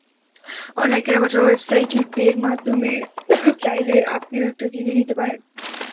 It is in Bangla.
অনলাইন কেনাবেচার ওয়েবসাইট ই-বের মাধ্যমে চাইলে আপনিও একটা কিনে নিতে পারেন।